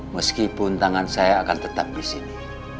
meskipun tangan saya akan tetap disini